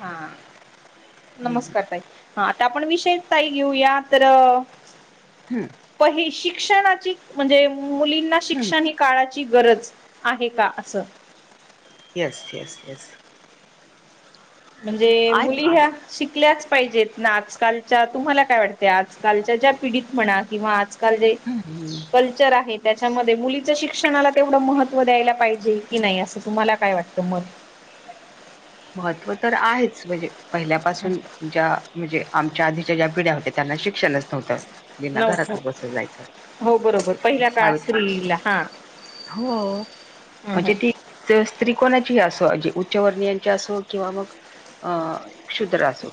हा नमस्कार ताई हा आता आपण विषय ताई घेऊया तर हम् प शिक्षणाची म्हणजे मुलींना शिक्षण ही काळाची गरज आहे का असं येस येस येस म्हणजे मुली ह्या शिकल्याच पाहिजेत ना आजकालच्या तुम्हाला काय वाटत आजकालच्या ज्या पिढीत म्हणा किंवा आजकाल जे हम्म हम् कल्चर आहे त्याच्यामध्ये मुलीच शिक्षणाला तेवढं महत्त्व द्यायला पाहिजे की नाही असं तुम्हाला काय वाटतं मत महत्त्व तर आहेच म्हणजे पहिल्यापासून मत ज्या म्हणजे आमच्या आधीच्या ज्या पिढ्या होत्या त्यांना शिक्णच नव्हतं विना नव्हतं घरातच बसून जायचं हो बरोबर पहिल्या सा. काळात स्त्रीला हा हो हम् म्हणजे ती हम स्त्री कोणाची अस उच्च वर्णीियांची किवा म कुद्र अस.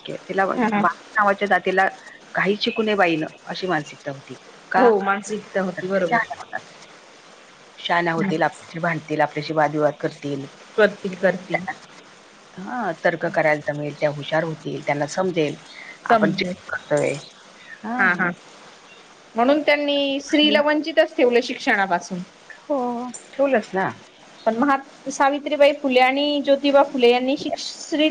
हा हा नावाच्या जातीला काही शिकुणे बाईन अशी मानसिकता होती. का? हो मानसिकता होती बरोबर शना हम् होतील आपल्याशी भांडतील आपल्याशी वादविवाद करतील. करती करतील. हा तर्क करायला जमेल त्या हुशार होतील त्यांना समजेल. आपण ज समजेल करतो हा. म्हणून त्यांनी आणि स्त्रीला वंचितच ठेवलं शिक्षणापासून हो ठेवलंच ना. पण महात सावित्रीबाई फुले आणि ज्योतिबा फुले यांनी शिक्ष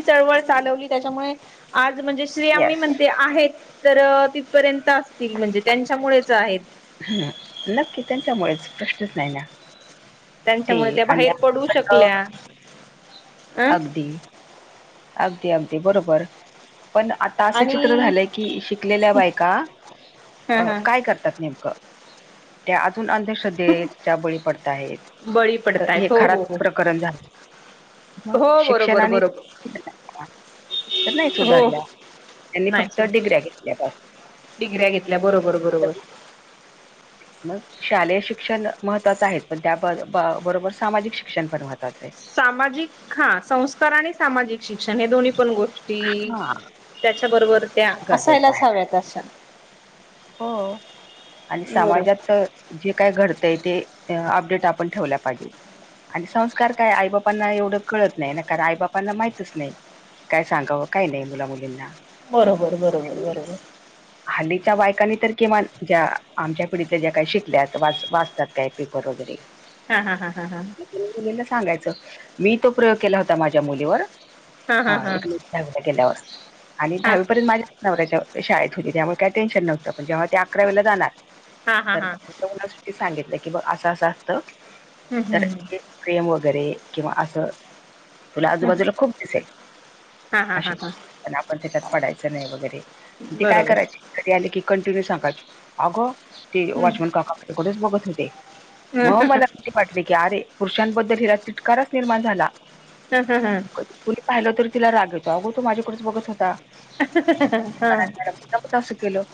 चळवळ चालवली त्याच्यामुळे आज म्हणजे श्रीयाममी येस. म्हणते आहेत. तर तिथपर्यंत असतील म्हणजे त्यांच्यामुळेच आहेत. ह नक्की त्यांच्यामुळेच प्रश्नच नाही ना. ते त्यांच्यामुळे त्या आणि बाहेर पडू शकल्या. अं अगदी अगदी अगदी बरोबर पण आ. असं चित्र आणि झालंय की शिकलेल्या बायका हा हा काय करतात नेमकं. त्या अजून अंधश्रद्धेच्या बळी पडत आहेत बळी तर हे पडतायत हो हो खराच हो प्रकरण झालं. मग हो बरोबर शिक्षणाने बरोबर तर नाही हो सुधारल्या त्यांनी नाही फक्त सु डिग्र्या घेतल्यापासून डिग्र्या घेतल्या बरोबर बरोबर. मग शालेय शिक्षण महत्वाचं आहे पण त्या बरोबर सामाजिक शिक्षण पण महत्त्वाचं आहे. सामाजिक हा संस्कार आणि सामाजिक शिक्षण हे दोन्ही पण गोष्टी हा. त्याच्या बरोबर त्या गरजेचं असायलाच आहे हव्यात अशा हो आणि समाजात बरोबर तर जे काय घडतंय ते अपडेट आपण ठेवल्या पाहिजे. आणि संस्कार काय आई बापांना एवढं कळत नाही ना कारण आई बापांना माहितच नाही. काय सांगावं काही नाही मुला मुलींना बरोबर बरोबर बरोबर. हल्लीच्या बायकाांनी तर किमान ज्या आमच्या पिढीत ज्या काही शिकल्यात वाच वाचतात. काय पी परोरोदरी हा हा ह हा हा. मुलीला सांगायच मी तो प्रयोग केला होता माझ्या मुलीवर हा हा हा दहावीला गेल्यावर आणि दहावीपर्यंत माझ्या नवऱ्याच्या शाळेत त्यामुळे काय टेन्शन नव्हतं पण जेव्हा ते अकरा वेला जाणार हा हा हा तर हा ते सांगितलं की बघ असं असं असतं हम्म तर हम्म हम्म प्रेम वगैरे किंवा असं. तुला आजूबाजूला खूप दिसेल हा हा हा असे हा पण आपण त्याच्यात पडायचं नाही वगैरे ती काय बरोबर करायचीरी आली की कंटिन्यू सांगायची अगं ते हम्म वॉचमॅन काका ठेच बघत हो ते मग मला हा वाटले की अरे पुरुषांबद्दल हिला तिटकाराच निर्माण झाला. हम् हम हं. कुणी पाहिलं तर तिला रागाचो अगो तो माझ्याकडेच बघत होता. [unintelligible] ं केलं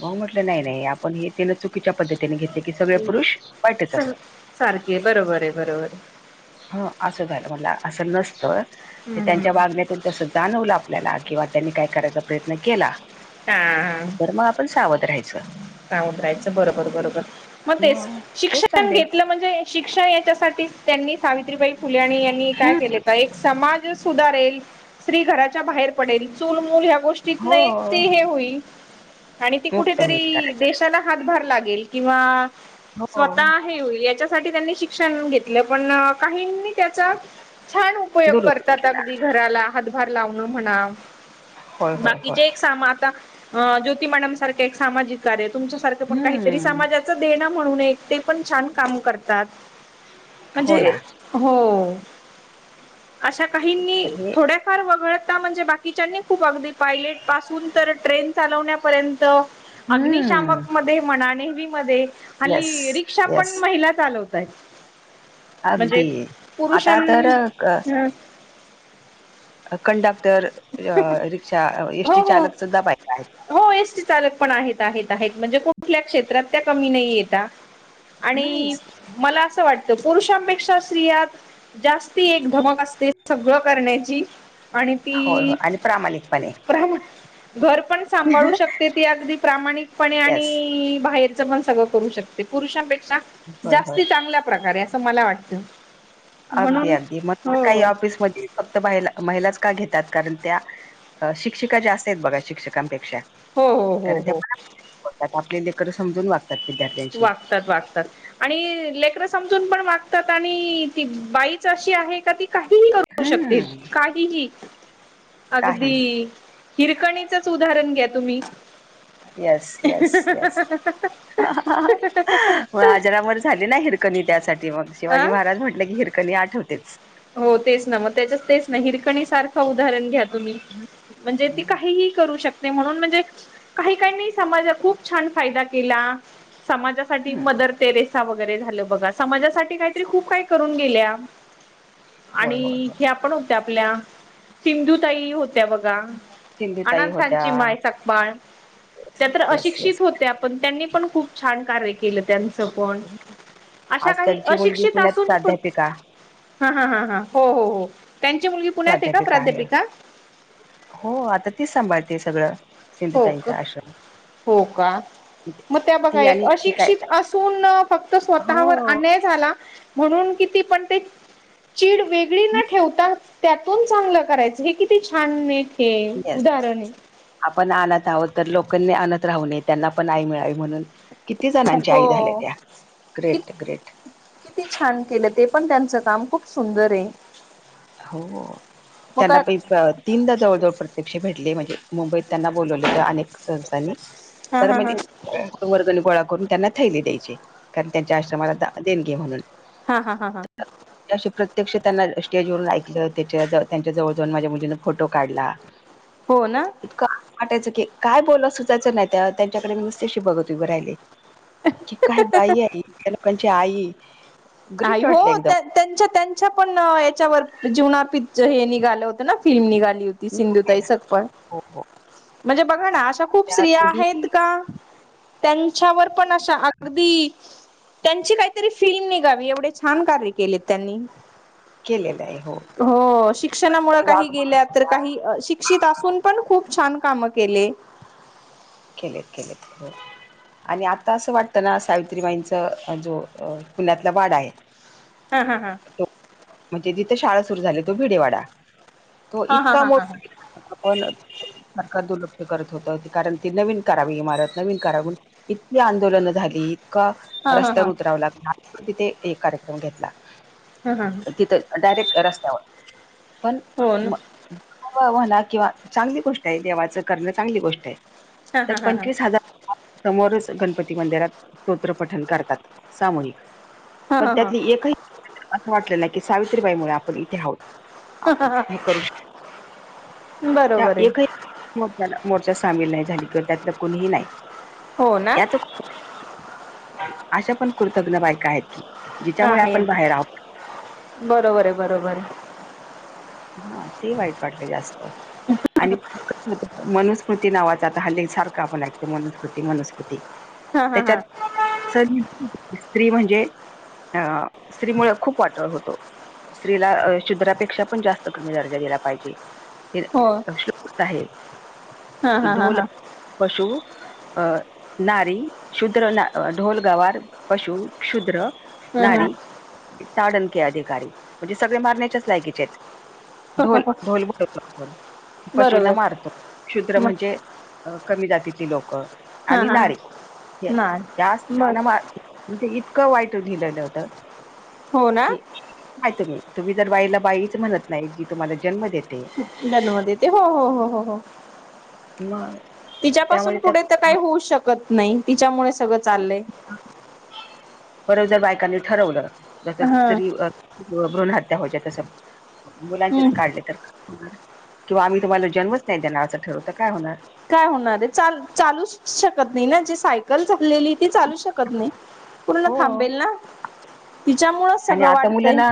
म म्हटलं नाही नाही आपण च. चुकीच्या पद्धतीने घेतले की सगळे पुरुष वाईटच असतात. सारखे आहे बरोबर आहे बरोबर आहे. ह असं झालं म्हट असं नसतं तर हम्म त्यांच्या वागण्याततून तसं जाणवलं आपल्याला किंवा त्यांनी काय करायचा प्रयत्न केला. हा. तर मग आपण सावध राहायचं. उतरायचं बरोबर बरोबर मग ते खूप शिक्षण चांगले घेतलं म्हणजे शिक्षा याच्यासाठी त्यांनी सावित्रीबाई फुलेणी यांनी काय हं, केले. एक समाज सुधारेल स्त्री घराच्या बाहेर पडेल चूल मूल ह्या गोष्टी नाही त हो हे होईल आणि ती मुक्त होईल कुठेतरी करायची देशाला हातभार लागेल किंवा हो स्वतः हे होईल या त्यां शिक्षण घेत पण काहीनी त्याचा छान उपयोग दुरुपयोग करतात केला अगदी घराला हातभार लावण म्हणा होय होय होय बाकीचे सामा आता ज्योति मॅडम सारखे एक सामाजिक तुमच्यासारखं पण काहीतरी हम्म समाजाच देण म्हणूने ते पण छान काम करतात. हो म्हणजे ना हो अशा काहीनी तर हे थोड्याफार वगळता म्हणजे बाकी बाकीच्यानी खूप अगदी पायलट पासून तर ट्रेन चालवण्यापर्यंत हम्म अग्निशामक मध्ये मणानेहवी मध्ये येस हल्ली रिक्षा येस पण महिला चालवत. म्हणजे अगदी पुरुषां आता तर क ह कंडक्टर अ रिक्षा हो एसटी हो चालक सुद्धा बाक आहेत. हो एसटी चालक पण आहेत आहेत आहेत म्हणजे कुठल्या क्षेत्रात त्या कमी नाही येत. आणि नाहीच. मला असं वाटतं पुरुषांपेक्षा स्त्रियात जास्ती एक धमक असते सगळं करण्याची आणि होय होय ती आणि प्रामाणिकपणे घर पण सांभाळू शकते ती अगदी प्रामाणिकपणे येस आणि बाहेर पण सगळं करू शकते पुरुषांपेक्षा होय होय जास् चांगल्या प्रकारे असं मला वाटत. तर अगदी अगदी मग काही ऑफिसमध्येध्ये फक्त बाहिला महिलाच का घेतात कारण त्या शिक्षिका ज्या असत आहेत बघा शिक्षकांपेक्षा हो हो कारण ते हो पतात आपले लेकर समजून वागतात विद्यार्थी वागतात वागतात. आणि लेकडं समजून पण वागतात आणि ती बाईच अशी आहे का ती काहीही करू हम्म शकतील काहीही अगदी काहीही हिरकणीचंच उदाहरण घ्या तुम्ही हा हा आजारवर झाली ना हिरकणी त्यासाठी मग अ शिवाजी महाराज म्हटले की हिरकणी आठवतेच. हो तेच ना मग त्याच्याच तेच ना हिरकणी सारखं उदाहरण घ्या. तुमही म्हणजे ती हं. काहीही करू शकता. म्हणून म्हणजे काही कानी समाज खूप छान फायदा केला समा साठी मदर टेरेसा वगैरे झालं बघा समाजासाठी काहीतरी खूप काय करून गेल्या. आणि होय होय होय ह्या पण होत्या आपल्या सिंधुताई होत्या बघा. सिंधुताई होत्या अथांची माय सखबाळ त्या तर येस येस अशिक्षित होत्या. पण त्यांनी पण खूप छान कार्य केलं त्यां को अशा आज काही त्यांची मुलगी अशिक्षित पुण्यात असून प्राध्यापिका हा हा ह ह हो हो हो त्यांची मुलगी पुण्यात आहे का प्राध्यापिका. हो आता तीच सांभाळते सगळं हो का सिंधुताईचा आश्रम. हो का म्हणजे मग त्या बघा ती एक आणि ते काय अशिक्षित असून फक्त स्वतःवर हो. आणा झाला म्हणून किती पण ते चचीड वेगळी न ठेवता त्यातून चांगलं करायचं हे किती छान न. हे येस उदाहरण आहे. आपण आणत आहोत तर लोकांनी आणत राहू नये त्यांना पण आई मिळावी म्हणून किती जणांची आई हो झालेल्या कि ग्रेट ग्रेट किती छान केलं ते पण त्यांच काम खूप सुंदर आहे. हो मग त्यांना काय प तीनदा जवळ जवळ प्रत्यक्ष भेटले म्हणजे मुंबईत त्यांना बोलवले अनेक सदस्यांनी हा तर हा हा म्हणजे वर्गणी गोळा करून त्यांना थैली द्यायचे कारण त्यांच्या आश्रमाला देणगे आहे म्हणून. हा, हा, हा, हा, अशी प्रत्यक्ष त्यांना स्टेज वरून ऐकलं त्याच्या त्यांच्या जवळ जाऊन माझ्या मुलीन फोटो काढला. हो ना. इतकं वाटायचं की काय बोला सुचाायचं नाही त्यांच्याकडे मी नुसतेशी बघत उभी राहियले. कि काय बाई आहे इतक्या लोकांची आई आई ग्रेट हो वाटलं एकदम त्याच त्यांच्या त्यांच्या पण याच्यावर जीवनापी हे निघालं होत ना फिल्म निघाली होती. ती आहे सिंधुताई ना सपकाळ हो हो म्हणजे बघा ना अशा खूप त्या स्त्रिया आहेत दोघी का? त्यांच्यावर पण अशा अगदी त्यांची काहीतरी फिम नाही करावी एवढे छान कार्य केलेत त्यांनी. केलेलं आहे हो हो शिक्षणामुळे वाघ काही म्हणत गेल्या तर होता काही शिक अशिक्षित असून पण खूप छान काम केले. केेलेत, केलेत, हो. आणि आता असं वाटतं ना सावित्रीबाईंचा जो पुण्यातला वाड आहे. हा, हा, हा, म्हणजे जिथं शाळा सुरु झाली तो भिडेवाडा तो हा हा इतका हा हा मोठा आपण सरकार दुर्लक्ष करत होत कारण नवीन करावी इमारत नवीन करावी म्ह इतकी आंदोलनं झाली इतका हा हा रस्त्यावर हा उतराव लागला आम्ही पण तिथे एक कार्यक्रम घेतला. हा हा तिथं डायरेक्ट रस्त्यावर पण हो ना हव होणा किंवा चांगली गोष्ट आहे देवाचं करणं चांगली गोष्ट आहे हा हा तर हा हा पंचवीस हजार समोरच गणपती मंदिरात स्तोत्र पठण करतात सामूहिक हा पण हा त्यातली एकही असं वाटलेलं की सावित्रीबाई मुळे आपण इथे आहोत. हा हा आपण हा हे करू शक त्या बरोबर एक ही आहे मोचा मोर्चा सामील नाही झाली किंवा त्यातलं कुणीही नाही हो ना याच अशा पण कृतज्ञ बायका आहेत की जिच्यामुळे आपण आहेत, बाहेर आहोत बरोबर आहे बरोबर आहे. हा ते वाईट वाटलं जास्त. आणि मनुस्मृती नावाच आता हल्ले सारखं आपण ऐकतो, मनुस्मृती, मनुस्मृती हा हा हा त्याच्यात स स्त्री म्हणजे अ स्त्री मुळे खूप वाटळ होतो. स्त्रीला शुद्रापेक्षा पण जास्त कमी दर्जा दिला पाहिजे ते्ल हो आहे हा की हा हा ढोल हा पशु अं नारी, शूद्र, ना ढोलगवार, पशु, क्षुद्र हा हा नारी ताडन के अधिकारी म्हणजे सगळे मारण्याच्याच लायकीचे आहेत. हो हो ढोल हो ढोल बडवतो आपण पशूला बरोबर मारतो शुद्र मग म्हणजे कमी जातीतली लोकं हा आणि हा हा नारी या नाही बर म्हणजे इतकं वाईट लिहिले होत हो ना कि नाही तुम्ही तुम्ही जर बाईला बाईच म्हणत नाही जी तुम्हाला जन्म देते. जन्म देते. हो, हो, हो, हो, हो म [unintelligible] तिच्यापासून पुुढे तर काही होऊ शकत नाही, तिच्यामुळे सगळं चाललंय. परत जर बायकांनी ठरवलं जस हा. स्त्री भ्रूण हत्या होयच्या तसं हम्म मुलांचेच काढले तर किंवा आम्ही तुम्हाला जन्मच नाही देणार असं ठरवत काय होणार. काय होणार आहे चाल चालूच शकत नाही ना जे सायकल चाललेली [unintelligible] त चालू शकत नाही पूर्ण हो थांबेल ना तिच्यामु [unintelligible] आणि आता मुलांना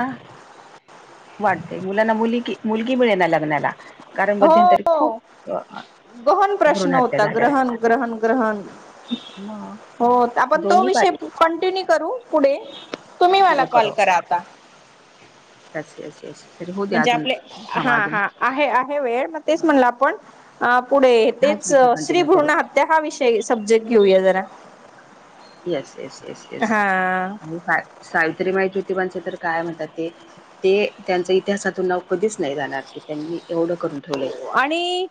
वाटते मुलांना मुली मुलगी मिळे ना लग्नाला कारण मध्यंतरी हो. खूप [unintelligible] गहन भ्रूण प्रश्न हत्या होता झाल्या ग्रहण ग्रहण ग्रहण [unintelligible] मग हो आपण तो दोन्ही विषय बाजू कंटिन्यू करू पुढे [unintelligible] तन करो कॉल करा आता. असस यस यस [unintelligible] तरी हो द्या म्हणजे अजून आपले हा थांवा अजून हा [unintelligible] आहे आहे वेळ मग तेच म्हणलं आपण पुढे हाच तेच विचार श्री कंटिन्यू करू भ्रूण हत्या हा विषय सब्जेक्ट घेऊया जरा [unintelligible] येस येस येस येस हा आणि सा सावित्रीमाई ज्योतिबांच तर काय म्हणतात ते ते त्यांच इतिहासातून नाव कधीच नाही जाणार की [unintelligible] त्यांनी एवढं करून ठेवले आणि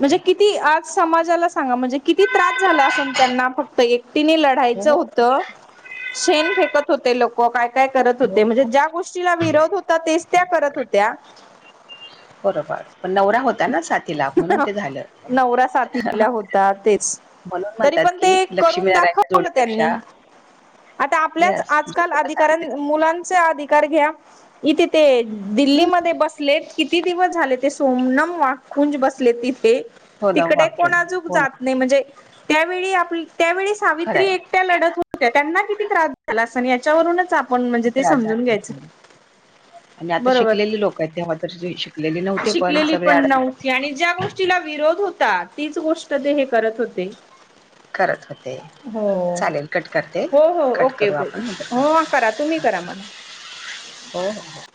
म्हणजे [unintelligible] किती आज समाजाला सांगा म्हणजे किती त्रास झाला असे त्यांना फक्त एक [unintelligible] तिने लढायचं हो होत शेण फेकत होते लोक काय [unintelligible] का करत होते हो म्हणजे ज्या गोष्टीला विरोध होता तेच त्या करत होत्या [unintelligible] बरोबर पण नवरा होता [unintelligible] होताना साती लाख म्हणून ते झाले नवरा साथीला [unintelligible] होता तेच म्हणून तरी म्हणतात पण की ते करून लक्ष्मीनारायणच्या दाखवलं त्यांनी जोडीपेक्षा [unintelligible] आता आपल्याच यस आजकाल ज्योतिबा अधिकारां सावित्री मुलांचा अधिकार घ्या [unintelligible] इथे ते हम्म, दिल्लीमध्येध्ये बसले किती दिवस झाले ते सोमन [unintelligible] ुंज बसले तिथे हो ना तिकडे वाक्चून कोणा [unintelligible] हो [unintelligible] ना म्हण [unintelligible] सावित्री खरंय एकट्या लढत होत्या त्यांना किती त्रास झाला अस आणि याच्यावरूनच आपण म्हणजे ते त्रास समजून झाला घ्यायचं असेल. [unintelligible] आणि आता बरोबर शिकलेले लोक आहेत तेव्हा तर शिकलेले नव्हते पण सगळेड [unintelligible] आणि ज्या गोष्टीला विरोध होता तीच गोष्ट ते हे करत होते [unintelligible] करत होते हो चालेल कट करते हो हो कट ओके करू ओके आपण नंतर [unintelligible] हो करू करा तुम्ही करा मला [unintelligible] हो [unintelligible]